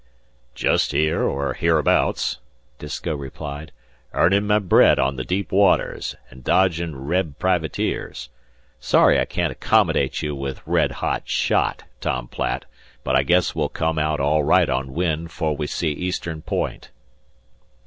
"Jest here, or hereabouts," Disko replied, "earnin' my bread on the deep waters, an' dodgin' Reb privateers. Sorry I can't accommodate you with red hot shot, Tom Platt; but I guess we'll come aout all right on wind 'fore we see Eastern Point."